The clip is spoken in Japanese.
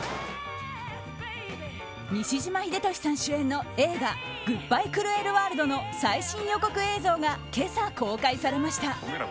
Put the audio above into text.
西島秀俊さん主演の映画「グッバイ・クルエル・ワールド」の最新予告映像が今朝、公開されました。